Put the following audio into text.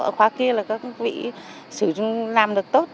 ở khóa kia là các vị sử dụng làm được tốt